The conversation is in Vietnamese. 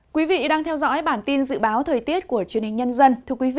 quý vị đang theo dõi bản tin dự báo thời tiết của truyền hình nhân dân